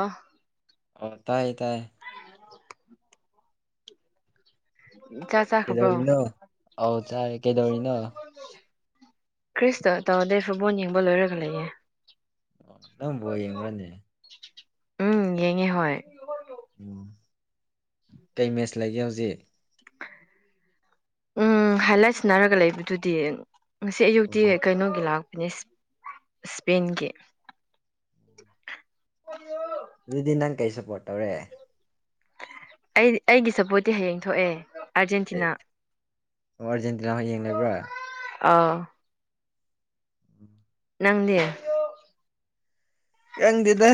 ꯑꯥ ꯑꯣ ꯇꯥꯏ ꯇꯥꯏ ꯆꯥꯛ ꯆꯥꯈ꯭ꯔꯕ꯭ꯔꯣ ꯀꯩꯗꯧꯔꯤꯅꯣ ꯑ ꯆꯥꯏꯦ ꯀꯩꯗꯧꯔꯤꯅꯣ ꯈ꯭ꯔꯤꯁꯇ ꯇꯧꯗꯩ ꯐꯨꯠꯕꯣꯜ ꯌꯦꯡꯕ ꯂꯣꯏꯔꯒ ꯂꯩꯌꯦꯦ ꯑꯣ ꯅꯪꯕꯣ ꯌꯦꯡꯉꯨꯔꯅꯦ ꯎꯝ ꯌꯦꯉꯦ ꯍ ꯑꯣ ꯀꯩ ꯃꯦꯆ ꯂꯩꯒꯦ ꯍꯧꯖꯤꯛ ꯎꯝ ꯍꯥꯏ ꯂꯥꯏ ꯁꯤꯟꯅꯔꯒ ꯂꯩꯕꯗꯨꯗꯤ ꯉꯁꯤ ꯑꯣ ꯑꯌꯨꯛꯇꯤ ꯀꯩꯅꯣꯒꯤ ꯂꯥꯛꯄꯅꯦ ꯏꯁꯄꯦꯟꯒꯤ ꯑꯗꯨꯗꯤ ꯅꯪ ꯀꯩ ꯁꯞꯄꯣꯔꯠ ꯇꯧꯔꯦ ꯑꯩꯗꯤ ꯑꯩꯒꯤ ꯁꯞꯄꯣꯔꯠꯇꯤ ꯍꯌꯦꯡ ꯊꯣꯛꯑꯦ ꯑꯩ ꯑꯥꯔꯖꯦꯟꯇꯤꯅꯥ ꯑꯣ ꯑꯥꯔꯖꯦꯟꯇꯤꯅꯥ ꯍ ꯌꯦꯡ ꯂꯩꯕ꯭ꯔꯥ ꯑꯥ ꯅꯪꯗꯤꯦ ꯌꯥꯪꯗꯦꯗ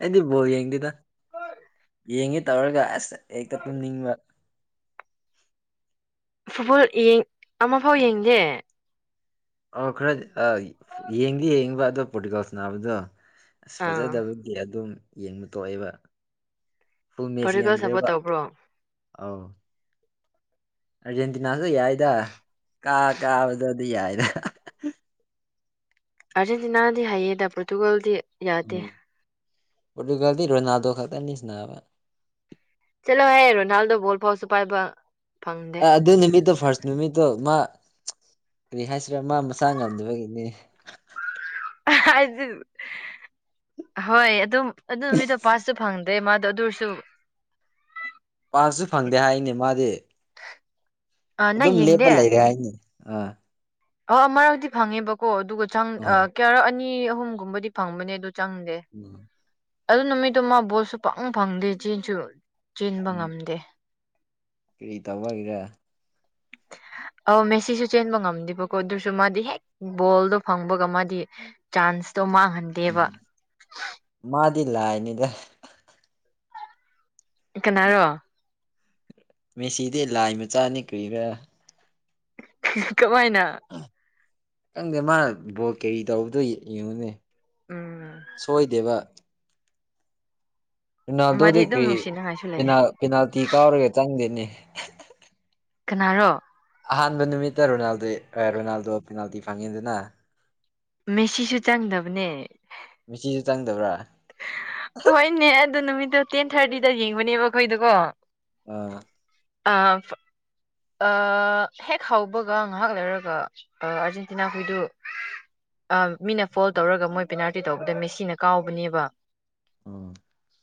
ꯑꯩꯗꯤ ꯕꯣ ꯌꯦꯡꯗꯦꯗ ꯌꯦꯡꯒꯦ ꯇꯧꯔꯒ ꯑꯁ ꯍꯦꯛꯇ ꯇꯨꯝꯅꯤꯡꯕ ꯐꯨꯠꯕꯣꯜ ꯑꯃꯐꯥꯎ ꯌꯦꯡꯗꯦ ꯑꯣ ꯈꯔꯗꯤ ꯌꯦꯡꯗꯤ ꯌꯦꯡꯉꯤꯕ ꯑꯗꯣ ꯄꯣꯔꯇꯤꯀꯜꯁ ꯅꯥꯕꯗꯣ ꯑꯁ ꯑꯥ ꯐꯖꯗꯕꯒꯤ ꯑꯗꯨꯝ ꯌꯦꯡꯕ ꯇꯣꯛꯑꯦꯕ ꯐꯨ ꯃꯦꯁ ꯄꯣꯔꯇꯨꯒꯜ ꯁꯞꯄꯣꯔꯠ ꯌꯦꯡꯗ꯭ꯔꯦꯕ ꯇꯧꯕ꯭ꯔꯣ ꯑ ꯑꯥꯔꯖꯦꯟꯇꯤꯅꯥꯁꯨ ꯌꯥꯏꯗ ꯀꯥ ꯀꯥꯕꯗ ꯑꯗꯨ ꯌꯥꯏꯗ ꯑꯥꯔꯖꯦꯟꯇꯤꯅꯥꯗꯤ ꯍꯥꯏꯌꯦꯗ ꯄꯣꯔꯇꯨꯒꯥꯜꯗꯤ ꯌꯥꯗꯦ ꯜꯗꯤ ꯔꯣꯅꯗꯣ ꯈꯔꯅꯤ ꯁꯅꯥꯕ ꯆꯂꯣ ꯍꯦ ꯔꯣꯅꯥꯜꯗꯣ ꯣ ꯐꯥꯎꯁꯨꯣ ꯄꯥꯏꯕ ꯐꯪꯗꯦ ꯑ ꯑꯗꯨ ꯅꯨꯃꯤꯠꯇꯣ ꯐꯥꯔꯁ ꯅꯨꯃꯤꯠꯇꯣ ꯃꯥ ꯀꯔꯤ ꯍꯥꯏꯁꯤꯔꯥ ꯃꯥ ꯃꯁꯥ ꯉꯝꯗꯕꯒꯤꯅꯦ ꯍꯥꯏꯗꯤ ꯍꯣꯏ ꯑꯗꯨꯝ ꯑꯗꯨ ꯃꯤꯗꯣ ꯄꯥꯁꯁꯨ ꯐꯪꯗꯦ ꯗꯦ ꯃꯥꯗ ꯑꯗꯨꯔꯁꯨꯁꯨ ꯆꯥꯛꯁꯨ ꯐꯪꯗꯦ ꯍꯥꯏꯅꯤ ꯃꯥꯗꯤ ꯑꯥ ꯅꯪ ꯑꯗꯨꯝ ꯌꯦꯡꯗꯦ ꯂꯦꯞꯄ ꯂꯩꯔꯦ ꯍꯥꯏꯅꯤ ꯑꯥ ꯑ ꯃꯔꯛꯇꯗꯤ ꯐꯪꯉꯦꯕꯀꯣ ꯑꯗꯨꯒ ꯆꯪ ꯎꯝ ꯀꯦꯌꯥꯔꯛ ꯑꯅꯤ ꯑꯍꯨꯝꯒꯨꯝꯕꯗꯤ ꯐꯪꯕꯅꯦ ꯑꯗꯨ ꯆꯪꯗꯦ ꯑꯗꯨ ꯅꯨꯃꯤꯠꯇꯨ ꯃꯥ ꯕꯣꯠꯁꯨ ꯄꯪ ꯐꯪꯗꯦ ꯆꯦꯟꯁꯨ ꯆꯤꯟꯕ ꯎꯝ ꯉꯝꯗꯦ ꯀꯔꯤ ꯇꯧꯕꯒꯤꯔꯦ [unintelligible] ꯑꯧ ꯃꯦꯁꯤꯁꯨ ꯆꯦꯟꯕ ꯉꯝꯗꯦꯕꯀꯣ ꯑꯗꯨꯁꯨ ꯃꯥꯗꯤ ꯍꯦꯛ ꯕꯣꯜꯗꯣ ꯐꯪꯕꯒ ꯃꯥꯗꯤ ꯆꯥꯟꯁ ꯇꯣ ꯃꯥꯡꯍꯟꯗꯦꯕ ꯂ ꯏꯩꯅꯗ ꯀꯅꯥꯔꯣ ꯃꯦꯁꯤꯗꯤ ꯂꯥꯏ ꯃꯆꯥꯥꯅꯤ ꯀꯨꯏꯔ ꯀꯃꯥꯏꯅ ꯈꯪꯗꯦ ꯃꯥ ꯕꯣ ꯀꯦꯔꯤ ꯇꯧꯕꯗꯣ ꯌꯦꯡꯉꯨꯅꯦ ꯎꯝ ꯁꯣꯏꯗꯦꯕ ꯃꯥꯗꯤ ꯔꯣꯅꯥꯜꯗꯣꯗꯒꯤ ꯑꯗꯨꯝ ꯀꯔꯤ ꯅꯨꯡꯁꯤꯅꯉꯥꯏꯁꯨ ꯂꯩꯌꯦ ꯄ ꯄꯦꯅꯥꯜꯇꯤ ꯀꯥꯎꯔꯒ ꯆꯪꯗꯦꯅꯦ ꯀꯅꯥꯔꯣ ꯑꯍꯥꯟꯕ ꯅꯨꯃꯤꯠꯇ ꯔꯣꯅꯥꯜꯗꯣ ꯔꯣꯅꯥꯜꯗꯣ ꯄꯦꯅꯥꯜꯇꯤ ꯐꯪꯉꯤꯗꯅ ꯃꯦꯁꯤꯁꯨ ꯆꯪꯗꯕꯅꯦ ꯃꯦꯆꯤꯁꯨ ꯆꯪꯗꯕ꯭ꯔꯥ ꯍꯣꯏꯅꯦ ꯑꯗꯨ ꯅꯨꯃꯤꯠꯇꯣ ꯇꯦꯟ ꯊꯥꯔꯇꯤꯗ ꯌꯦꯡꯕꯅꯦꯕ ꯑꯩꯈꯣꯏꯗꯀꯣ ꯑ ꯑ ꯍꯦꯛ ꯍꯥꯎꯕꯒ ꯉꯥꯏꯍꯥꯛ ꯂꯩꯔꯒ ꯑꯥꯔꯖꯦꯟꯇꯤꯅꯥ ꯍꯨꯏꯗꯨ ꯃꯤꯅ ꯐꯣꯜ ꯇꯧꯔꯒ ꯃꯣꯏ ꯄꯦꯅꯥꯜꯇꯤ ꯇꯧꯕꯗ ꯃꯦꯁꯤꯅ ꯀꯥꯎꯕꯅꯦꯕ ꯎ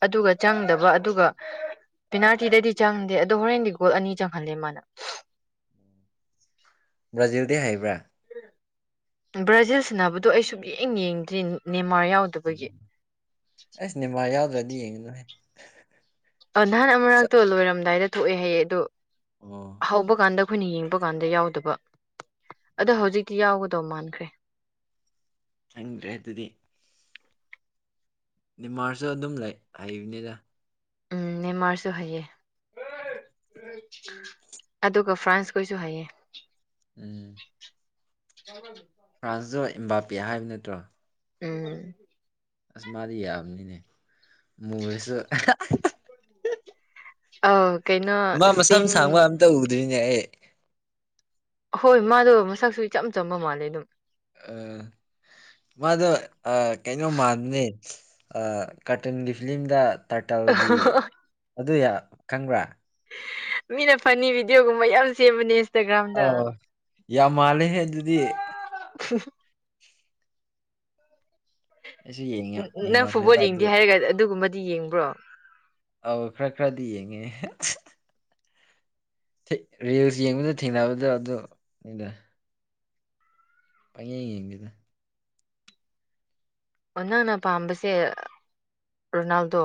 ꯑꯗꯨꯒ ꯆꯪꯗꯕ ꯑꯗꯨꯒ ꯄꯦꯅꯥꯜꯇꯤꯗꯗꯤ ꯆꯪꯗꯦ ꯑꯗꯣ ꯍꯣꯔꯦꯟꯗꯤ ꯒꯣꯜ ꯑꯅꯤ ꯆꯪꯍꯜꯂꯦ ꯃꯥꯅ ꯐꯖꯤꯨꯗꯤ ꯍꯥꯏꯕ꯭ꯔꯥ ꯕ꯭ꯔꯥꯖꯤꯜ ꯁꯤꯟꯅꯕꯗꯣ ꯑꯩ ꯁꯨꯛ ꯌꯦꯡ ꯌꯦꯡꯗ꯭ꯔꯤ ꯅꯦꯃꯥꯔ ꯌꯥꯎꯗꯕꯒꯤ ꯑꯩꯁꯅꯦꯃꯥ ꯌꯥꯎꯗ꯭ꯔꯗꯤ ꯌꯦꯡꯉ ꯅꯅꯦ ꯑ ꯅꯍꯥꯟ ꯑꯃꯥꯛꯛꯇꯣ ꯂꯣꯏꯔꯝꯗꯥꯏꯗ ꯊꯣꯛꯑꯦ ꯍꯥꯏꯌꯦꯦ ꯑꯗ ꯑꯣ ꯍꯧꯕ ꯀꯥꯟꯗ ꯑꯩꯈꯣꯏꯅ ꯌꯦꯡꯕ ꯀꯥꯟꯗ ꯌꯥꯎꯗꯕ ꯑꯗꯣ ꯍꯧꯖꯤꯛꯇꯤ ꯌꯥꯎꯒꯗꯧ ꯃꯥꯟꯈ꯭ꯔꯦ ꯈꯪꯗ꯭ꯔꯦ ꯑꯗꯨꯗꯤ ꯅꯤꯃꯥꯔꯁꯨ ꯑꯗꯨꯝ ꯂꯩ ꯍꯩꯕꯅꯤꯅ ꯎꯝ ꯃꯔꯁꯨ ꯍꯥꯏꯌꯦ ꯑꯗꯨꯒ ꯐ꯭ꯔꯥꯟꯁꯈꯩꯁꯨ ꯍꯥꯏꯌꯦ ꯎꯝ ꯀ ꯀꯗ ꯐ꯭ꯔꯥꯟꯁꯇꯣ ꯏꯝꯕꯥꯄꯤꯦ ꯍꯥꯏꯕ ꯅꯠꯇ꯭ꯔꯣ ꯎꯝ ꯑꯁ ꯃꯥꯗꯤ ꯌꯥꯝꯕꯅꯤꯅꯦ ꯃꯨꯔꯁꯨ ꯑ ꯀꯩꯅꯣ ꯃꯥ ꯃꯁꯥ ꯏꯁꯄꯦꯟ ꯃ ꯁꯥꯡꯕ ꯑꯝꯇ ꯎꯗ꯭ꯔꯤꯅꯦ ꯑꯩ ꯍꯣꯏ ꯃꯥꯗꯣ ꯃꯁꯛꯁꯨ ꯏꯆꯝ ꯆꯝꯕ ꯃꯥꯜꯂꯦ ꯑꯗꯨꯝ ꯑ ꯃꯥꯗꯣ ꯀꯩꯅꯣ ꯃꯥꯟꯕꯅꯦ ꯀꯔꯇꯟꯒꯤ ꯐꯤꯂꯝꯗ ꯇꯔꯇꯥꯜꯒꯤ ꯑꯗꯨ ꯈꯪꯕ꯭ꯔꯥ ꯃꯤꯅ ꯐꯅꯤ ꯚꯤꯗꯤꯑꯣꯒꯨꯝꯕ ꯌꯥꯝ ꯁꯦꯝꯕꯅꯦ ꯑ ꯏꯟꯁꯇꯥꯒ꯭ꯔꯥꯝꯗ ꯌꯥꯝ ꯃꯥꯜꯂꯦꯦ ꯑꯗꯨꯗꯤ ꯑꯩꯁꯨ ꯌꯦꯡꯉ ꯎ ꯅꯪ ꯐꯨꯠꯕꯣꯜ ꯌꯦꯡꯉꯝꯃꯦꯕ ꯑꯗꯨ ꯌꯦꯡꯗꯦ ꯍꯥꯏꯔꯒ ꯑꯗꯨꯒꯨꯝꯕꯗꯤ ꯌꯦꯡꯕ꯭ꯔꯣ ꯑꯧ ꯈꯔ ꯈꯔꯗꯤ ꯌꯦꯡꯉꯦ ꯔꯤꯜꯁ ꯌꯦꯡꯕꯗ ꯊꯦꯡꯅꯕꯗ ꯑꯗꯨ ꯄꯦ ꯌꯦꯡꯒꯦꯗ ꯅꯪꯅ ꯄꯥꯝꯕꯁꯦ ꯔꯣꯅꯥꯜꯗꯣ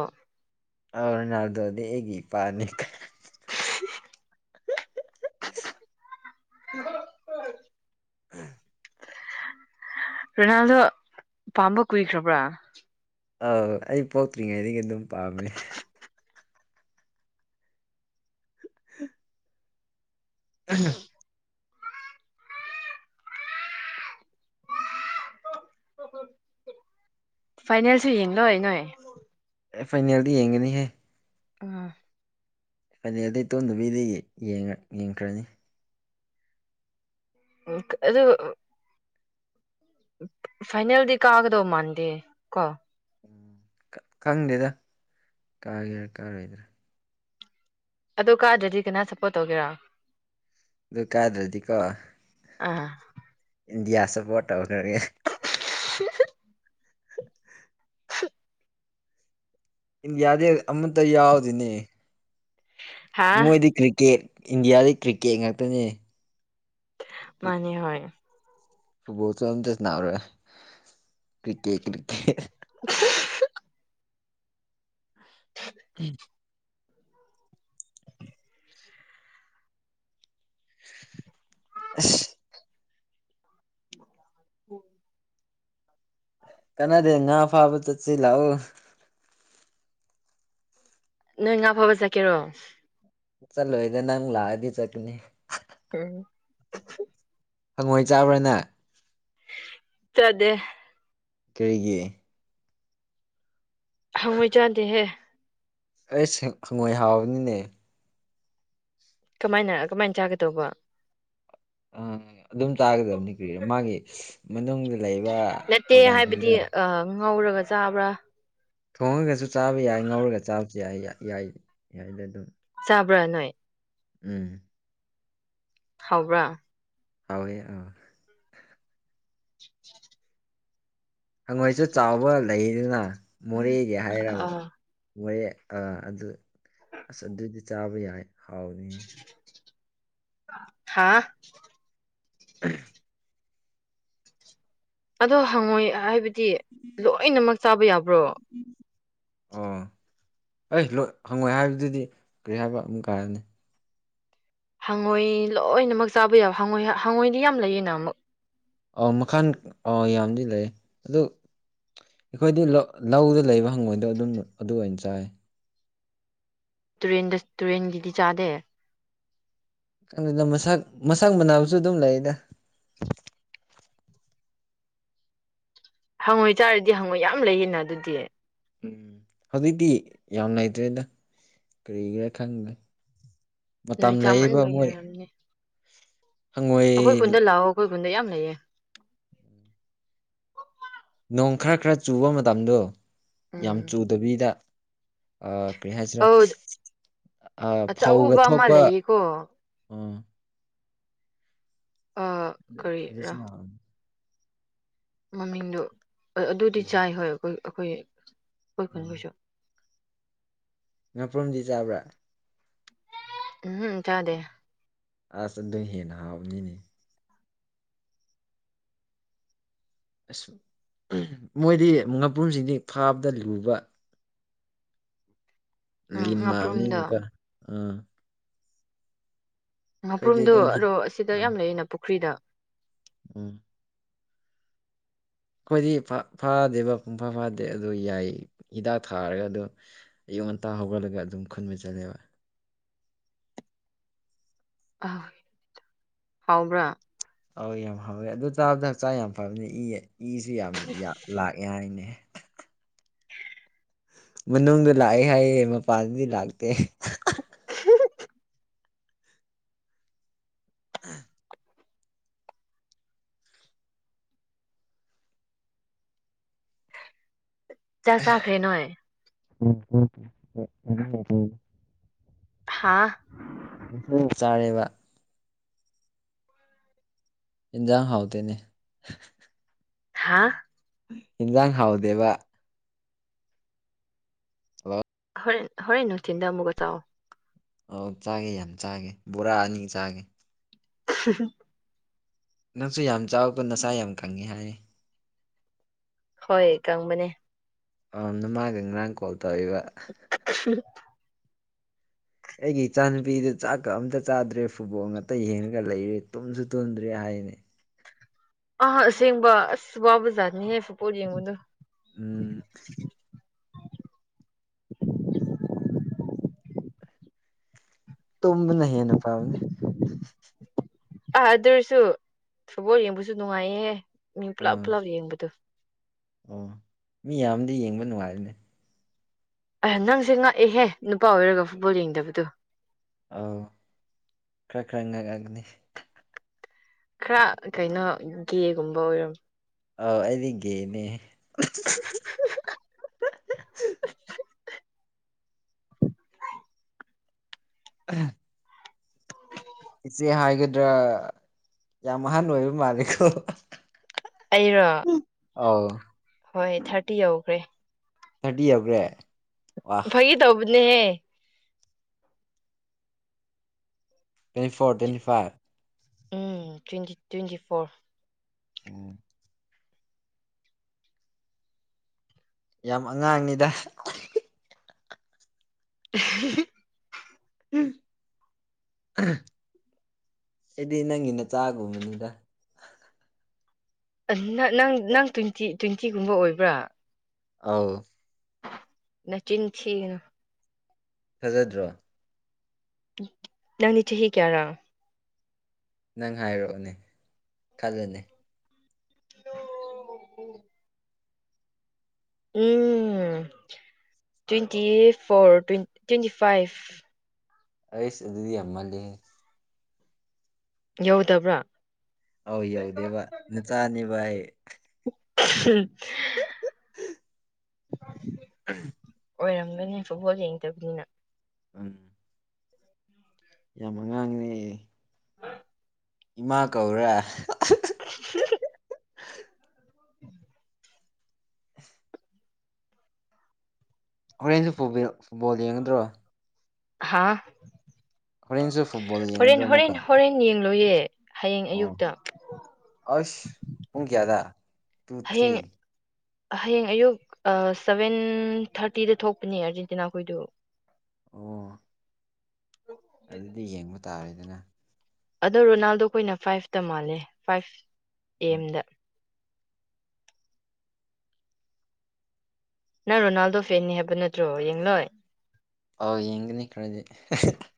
ꯇꯧꯔꯤꯅꯥꯜꯗꯣꯗꯤ ꯑꯩꯒꯤ ꯏꯄꯥꯅꯤ ꯀ ꯎꯝ ꯎꯝ ꯔꯣꯅꯥꯜꯗꯣ ꯄꯥꯝꯕ ꯀꯨꯏꯈ꯭ꯔꯕ꯭ꯔꯥ ꯑꯥꯎ ꯑꯩ ꯄꯣꯛꯇ꯭ꯔꯤꯉꯩꯗꯒꯤ ꯑꯗꯨꯝ ꯄꯥꯝꯃꯤ [unintelligible] ꯎ ꯐꯥꯏꯅꯦꯜꯁꯨ ꯌꯦꯡ ꯂꯣꯏ ꯅꯣꯏ ꯐꯥꯏꯅꯦꯜꯗꯤ ꯌꯦꯡꯒꯅꯤ ꯍꯥꯏ ꯑꯥ ꯐꯅꯦꯜꯗ ꯇꯨꯝꯗꯕꯤꯗ ꯌꯦꯡꯈ꯭ꯔꯅꯤ ꯎ ꯑꯗꯨ ꯐꯥꯏꯅꯦꯜꯗꯤ ꯀꯥꯒꯗꯧ ꯃꯥꯟꯗꯦ ꯀꯣ ꯎꯝ ꯈꯪꯗꯦꯗ ꯀꯥꯒꯦꯔꯥ ꯀꯥꯔꯣꯏꯗ꯭ꯔꯥ ꯑꯗꯨ ꯀꯥꯗ꯭ꯔꯗꯤ ꯀꯅꯥ ꯁꯞꯄꯣꯔꯠ ꯇꯧꯒꯦꯔꯥ ꯑꯗꯨꯗꯨ ꯀꯥꯗ꯭ꯔꯗꯤ ꯀꯣ ꯑꯥ ꯏꯟꯗꯤꯌꯥ ꯁꯄꯣꯔꯠ ꯇꯧꯈ꯭ꯔꯒꯦ ꯍꯍ ꯏꯟꯗꯌꯥꯗꯦ ꯑꯃꯇ ꯌꯥꯎꯔꯤꯅꯦ ꯍꯥ ꯃꯣꯏꯗꯤ ꯀ꯭ꯔꯤꯀꯦꯠ ꯏꯟꯗꯤꯌꯥꯗ ꯀ꯭ꯔꯤꯛꯀꯦꯠ ꯉꯥꯛꯇꯅꯤ ꯃꯥꯟꯅꯤ ꯍꯣꯢ ꯐꯨꯕꯣꯁꯨꯝꯗ ꯁꯅꯥꯔꯣ ꯀ꯭ꯔꯤꯀꯦ ꯀꯔꯤꯀꯦ ꯑꯍꯨ ꯎꯝ ꯑꯁ ꯎꯝ ꯀꯥꯅꯗꯦ ꯉꯥ ꯐꯥꯕ ꯆꯠꯁꯤ ꯂꯥꯛꯑꯣ ꯅꯣꯏ ꯉꯥ ꯐꯕ ꯆꯠꯀꯦꯔꯣ ꯆꯠꯂꯣꯏꯗ ꯅꯪ ꯂꯥꯛꯑꯗꯤ ꯆꯠꯀꯅꯤ ꯎꯝ ꯍꯪꯉꯣꯏ ꯆꯥꯕ꯭ꯔꯥ ꯅꯪ? ꯆꯥꯗꯦ ꯀꯔꯤꯒꯤ ꯍꯪꯉꯣꯏ ꯆꯥꯗꯦꯍꯦ ꯑꯩꯁ ꯍꯪꯉꯣꯏ ꯍꯥꯎꯕꯅꯤꯅꯦ ꯀꯃꯥꯏꯅ ꯀꯃꯥꯏꯅ ꯆꯥꯒꯦ ꯇꯧꯕ ꯑ ꯑꯗꯨꯝ ꯆꯥꯒꯗꯕꯅꯤ ꯀꯔꯤꯔ ꯃꯥꯒꯤ ꯃꯅꯨꯡꯗ ꯂꯩꯕ ꯅꯠꯇꯦ ꯍꯥꯏꯕꯗꯤ ꯑꯣꯔꯒꯥꯟꯁꯤꯡꯗꯣ ꯑ ꯉꯧꯔꯒ ꯆꯥꯕ꯭ꯔ ꯊꯣꯡꯉꯒꯁꯨ ꯆꯥꯕ ꯌꯥꯏ ꯉꯧꯔꯒ ꯆꯥꯕꯁꯨ ꯌꯥꯏ ꯌꯥꯏ ꯌꯥꯏꯗ ꯑꯗꯨꯝ ꯆꯥꯕ꯭ꯔꯥ ꯅꯣꯏ ꯎꯝ ꯍꯥꯎꯕ꯭ꯔꯥ ꯍꯥꯎꯋꯤ ꯑꯥ [inaudible] ꯍꯪꯉꯣꯏꯁꯨ ꯆꯥꯎꯕ ꯂꯩꯗꯅ ꯃꯣꯔꯦꯗꯤ ꯍꯥꯏꯔꯕ ꯑꯥ ꯃꯣꯔꯦ ꯑꯥ ꯑꯗꯨ ꯑꯁ ꯑꯗꯨꯗꯤ ꯆꯥꯕ ꯌꯥꯏ ꯍꯥꯎꯅꯤ ꯍꯥꯥ ꯑꯍ ꯑꯗꯣ ꯍꯪꯉꯣꯏ ꯍꯥꯏꯕꯗꯤ ꯂꯣꯏꯅꯃꯛ ꯆꯥꯕ ꯌꯥꯕ꯭ꯔꯣ ꯑꯣ ꯑꯩ ꯂꯣꯏ ꯍꯪꯉꯣꯏ ꯍꯥꯏꯕꯗꯨꯗꯤ ꯀꯔꯤ ꯍꯥꯏꯕ ꯑꯃꯝ ꯀꯥꯔꯅꯤ ꯍꯪꯉꯣꯏ ꯂꯣꯏꯅꯃꯛ ꯆꯥꯕ ꯌꯥꯕ ꯍꯉꯣꯏ ꯍꯪꯉꯣꯏꯗꯤ ꯌꯥꯝ ꯂꯩꯌꯦꯅ ꯑꯃꯨꯛ ꯑ ꯃꯈꯜ ꯑ ꯌꯥꯝꯗꯤ ꯂꯩ ꯑꯗꯨ ꯑꯩꯈꯣꯏꯗꯤ ꯂꯧꯗ ꯂꯩꯕ ꯍꯪꯉꯣꯢꯗꯣ ꯑꯗꯨꯝ ꯑꯗꯨ ꯑꯣꯏꯅ ꯆꯥꯏ ꯇꯨꯔꯦꯟꯗ ꯇꯨꯔꯦꯟꯒꯤꯗꯤ ꯆꯥꯗꯦ ꯑꯗꯨꯅ ꯃꯁꯛ ꯃꯁꯛ ꯃꯅꯥꯕꯁꯨ ꯑꯗꯨꯝ ꯂꯩꯗ ꯍꯪꯉꯣꯏꯆꯥꯔꯗꯤ ꯍꯪꯉꯣꯏ ꯌꯥꯝ ꯂꯩꯌꯦꯅ ꯑꯗꯨꯗꯤ ꯎꯝ ꯍꯧꯖꯤꯛꯇꯤ ꯌꯥꯝ ꯂꯩꯇ꯭ꯔꯦꯗ ꯀꯔꯤꯒꯤꯔꯥ ꯈꯪꯗꯦ ꯃꯇꯝ ꯅꯣꯏ ꯂꯩꯔꯤꯕ ꯆꯥꯃꯟꯕꯒꯤ ꯃꯣꯏ ꯑꯣꯏꯔꯝꯅꯤ ꯍꯪꯉꯣꯏ ꯑꯩꯈꯣꯏ ꯈꯨꯨꯟꯗ ꯂꯥꯛꯑꯣ ꯑꯩꯈꯣꯏ ꯈꯨꯟꯗ ꯌꯥꯝ ꯂꯩꯌꯦ ꯅꯣꯡ ꯈꯔ ꯈꯔ ꯆꯨꯕ ꯃꯇꯝꯗꯣ ꯌꯥꯝ ꯎꯝ ꯆꯨꯗꯕꯤꯗ ꯀꯔꯤ ꯍꯥꯏꯁꯤꯔꯥ ꯑꯧ ꯐꯧꯒ ꯑꯆꯧꯕ ꯑꯃ ꯊꯣꯛꯄ ꯂꯩꯌꯦꯀꯣ ꯎꯝ ꯑꯥ ꯑꯗꯨꯁꯨ ꯃꯃꯤꯡꯗꯨꯣ ꯑꯗꯨꯗꯤ ꯀꯩꯅꯣ ꯆꯥꯏ ꯍꯣꯏ ꯑꯩꯈꯣꯏ ꯑꯩꯈꯣꯏ ꯑꯩꯈꯣꯏ ꯈꯨꯟꯒꯤꯣꯏꯁꯨ ꯉꯅꯥꯄ꯭ꯔꯨꯝꯗꯤ ꯆꯥꯕ꯭ꯔꯥ ꯎꯝꯇꯗꯦ ꯑꯁ ꯑꯗꯨꯝ ꯍꯦꯟꯅ ꯍꯥꯎꯕꯅꯤꯅꯦ ꯑꯁ ꯃꯣꯏꯗꯤ ꯃꯄꯨꯝꯁꯤꯡꯗꯤ ꯐꯥꯕꯗ ꯂꯨꯕ ꯎꯝ ꯂꯤꯟ ꯃꯥ ꯉꯥꯄ꯭ꯔꯨꯝꯗꯣ ꯍꯥꯏꯅꯤ ꯀ ꯑ ꯑꯩꯈꯣꯏꯗꯤ ꯉꯥꯄ꯭ꯔꯨꯝꯗꯣ ꯑꯗꯨꯝ ꯍꯤ ꯑꯗꯣ ꯑꯁꯤꯗ ꯑꯥ ꯌꯥꯝ ꯂꯩꯌꯦꯅ ꯄꯨꯈ꯭ꯔꯤꯗ ꯎꯝ ꯑꯩꯈꯣꯏꯗꯤ ꯐꯥꯗꯦꯕ ꯄꯨꯡꯐꯥ ꯐꯥꯗꯦ ꯑꯗꯨ ꯌꯥꯏ ꯍꯤꯗꯥꯛ ꯊꯥꯔꯒ ꯑꯗꯨ ꯉꯟꯇꯥ ꯍꯧꯒꯠꯂꯒ ꯑꯗꯨꯝ ꯈꯨꯟꯕ ꯆꯠꯂꯦꯕ ꯑ ꯍꯥꯎꯕ꯭ꯔ ꯑꯧ ꯌꯥꯝ ꯐꯥꯎꯋꯦ ꯑꯗꯨ ꯆꯥꯕꯗ ꯍꯛꯆꯥꯡ ꯌꯥꯝ ꯐꯕꯅꯤ ꯏ ꯏꯖꯦ ꯌꯥꯝꯅ ꯂꯥꯛꯑꯦ ꯍꯥꯏꯅꯦ [unintelligible] ꯃꯅꯨꯡꯗ ꯂꯥꯛꯑꯦ ꯍꯥꯏꯌꯦ ꯃꯄꯥꯟꯗꯗꯤ ꯂꯥꯛꯇꯦ ꯑ ꯆꯥ ꯆꯈꯔꯦ ꯅꯣꯏ [unintelligible] ꯍꯥꯥ ꯏꯁꯤꯡ ꯆꯥꯔꯦꯕ ꯏꯟꯖꯥꯡ ꯍꯥꯥꯎꯇꯅꯦ ꯍꯥꯥ ꯌꯦꯟꯖꯥꯡ ꯍꯥꯎꯗꯦꯕ ꯍꯜꯂꯣ ꯍꯣꯔꯦꯟ ꯍꯣꯔꯦꯟ ꯅꯨꯡꯊꯤꯟꯗ ꯑꯃꯨꯛꯀ ꯆ ꯑ ꯆꯥꯒꯦ ꯌꯥꯝ ꯆꯥꯒꯦ ꯕꯣꯔꯥ ꯑꯅꯤ ꯆꯥꯒꯦ [unintelligible] ꯅꯪꯁꯨ ꯌꯥꯝ ꯆꯥꯎꯛꯄ ꯅꯁꯥ ꯌꯥꯝ ꯀꯪꯉꯤ ꯍꯥꯏꯔꯤ ꯍꯣꯏ ꯀꯪꯕꯅꯦ ꯅꯃꯥꯒ ꯉꯔꯥꯡ ꯀꯣꯜ ꯇꯧꯕ ꯑꯩꯒꯤ ꯏꯆꯥꯅꯨꯄꯤꯗꯨ ꯆꯥꯛꯀ ꯑꯝꯇ ꯆꯥꯗ꯭ꯔꯦ ꯐꯨꯠꯕꯣꯜ ꯉꯥꯛꯇ ꯌꯦꯡꯉꯒ ꯂꯩꯔꯦ ꯇꯨꯝꯁꯨ ꯇꯨꯝꯗ꯭ꯔꯦ ꯍꯥꯏ ꯍꯥꯏꯅꯦ ꯑ ꯑꯁꯦꯡꯕ ꯑꯁ ꯋꯥꯕ ꯖꯥꯠꯅꯤꯍꯦ ꯐ ꯄꯣꯠ ꯌꯦꯡꯕꯗꯣ ꯎꯝ [unintelligible] ꯇꯨꯝꯅ ꯍꯦꯟꯅ ꯐꯥꯎꯅꯦ ꯑꯥ ꯑꯗꯨꯔꯁꯨ ꯐꯨꯠꯕꯣꯜ ꯌꯦꯡꯕꯁꯨ ꯅꯨꯡꯉꯥꯏꯌꯦ ꯃꯤ ꯄꯨ꯭ꯂꯥ ꯑꯥ ꯄꯨꯂꯥ ꯌꯦꯡꯕꯣ ꯑꯣ ꯃꯤ ꯌꯥꯝꯗꯤ ꯌꯦꯡꯕ ꯅꯨꯡꯉꯥꯏꯔꯤꯅꯦ ꯑ ꯅꯪꯁꯦ ꯉꯥꯛꯑꯦꯍꯦ ꯅꯨꯄꯥ ꯑꯣꯏꯔꯒ ꯐꯨꯠꯕꯣꯜ ꯌꯦꯡꯗꯕꯗꯣ ꯑꯧ ꯈꯔ ꯈꯔ ꯉꯥꯡꯑꯒꯅꯤ ꯈꯔ ꯀꯩꯅꯣ ꯒꯦꯒꯨꯝꯕ ꯑꯣꯏꯔꯝ ꯑꯥꯎ ꯑꯩꯗꯤꯒꯦꯅꯦ [unintelligible] ꯎ ꯏꯆꯦ ꯍꯥꯏꯒꯗ꯭ꯔꯥ ꯌꯥꯝ ꯑꯍꯜ ꯑꯣꯏꯕ ꯃꯥꯂꯦꯀꯣ ꯑꯩꯔꯣ ꯑꯥꯎ ꯍꯣꯏ ꯊꯥꯔꯇꯤ ꯌꯧꯈ꯭ꯔꯦ ꯊꯔꯇꯤ ꯌꯥꯎꯕ꯭ꯔꯦ ꯐꯩ ꯇꯧꯕꯅꯦꯍꯦ twenty four twenty five um twenty twenty four um ꯌꯥꯝ ꯑꯉꯥꯡꯅꯤꯗ [unintelligible] ꯎꯝ ꯑ ꯑꯩꯗꯤ ꯅꯪꯒꯤꯅ ꯆꯥꯒꯨꯝꯕꯅꯤꯗ ꯅꯪ ꯅꯪ ꯇ꯭ꯋꯦꯟꯇꯤ ꯇ꯭ꯋꯦꯟꯇꯤꯒꯨꯝꯕ ꯑꯣꯏꯕ꯭ꯔꯥ ꯑꯥꯎ ꯅ ꯆꯤꯟꯤꯟꯁꯤꯅ ꯊꯥꯖꯗ꯭ꯔꯣ ꯅ ꯅꯤꯆꯦ ꯍ ꯀꯌꯥꯔꯥ ꯅꯪ ꯍꯥꯏꯔꯛꯑꯣꯅꯦ ꯈꯜꯂꯅꯤ ꯑꯣ ꯎ ꯎꯝ ꯇ꯭ꯋꯦꯟꯇꯤ ꯐꯣꯔ ꯇ꯭ ꯇ꯭ꯋꯦꯟꯇꯤ ꯐꯥꯏꯚ ꯑꯩꯁ ꯑꯗꯨꯗꯤ ꯌꯥꯝꯃꯜꯂꯦ ꯌꯧꯗꯕ꯭ꯔꯥ ꯑꯧ ꯌꯧꯗꯦ ꯚ ꯅ ꯆꯥꯅꯤ ꯚꯥꯏ ꯎꯝ [unintelligible] ꯎꯝ ꯑꯣꯏꯔꯝꯒꯅꯤ ꯐꯨꯠꯕꯣꯜ ꯌꯦꯡꯗꯕꯅꯤꯅ ꯑꯝ ꯌꯥꯝ ꯑꯉꯥꯡꯅꯦ ꯏꯃꯥ ꯀꯧꯔꯦ [unintelligible] ꯎꯝ ꯍꯣꯔꯦꯟꯁꯨ ꯐꯨꯠꯕꯣꯜ ꯌꯦꯡꯒꯗ꯭ꯔꯣ ꯍꯥ ꯍꯣꯔꯦꯟꯁꯨ ꯐꯨꯠꯕꯣꯜ ꯌꯦꯡꯒꯗ꯭ꯔꯣ ꯍꯣꯔꯦꯟ ꯑꯃꯨꯛꯀ ꯍꯣꯔꯦꯟ ꯍꯣꯔꯦꯟ ꯌꯦꯡꯂꯣꯌꯦ ꯑꯣ ꯑꯁ ꯄꯨꯡ ꯀ꯭ꯌꯥꯗ ꯇꯨ ꯊ꯭ꯔꯤ ꯍꯌꯦꯡ ꯍꯌꯦꯡ ꯑꯌꯨꯛ ꯁꯚꯦꯟ ꯊꯥꯔꯇꯤꯗ ꯊꯣꯛꯄꯅꯦ ꯑꯥꯔꯖꯦꯟꯇꯤꯅꯥ ꯈꯣꯏꯗꯨ ꯑꯣ ꯑꯗꯨꯗꯤ ꯌꯦꯡꯕ ꯇꯥꯔꯦꯗꯅ ꯑꯗꯣ ꯔꯣꯅꯥꯜꯗꯣ ꯑꯩꯈꯣꯏꯅ ꯐꯥꯏꯚꯇ ꯃꯥꯜꯂꯦ ꯐꯥꯏꯚ ꯑ ꯑꯦꯝꯗ ꯅꯪ ꯔꯣꯅꯥꯜꯗꯣ ꯐꯦꯅꯤ ꯍꯥꯏꯕ ꯅꯠꯇ꯭ꯔꯣ ꯌꯦꯡꯂꯣꯏ ꯑꯥꯎ ꯌꯦꯡꯅꯤ ꯀꯗꯤ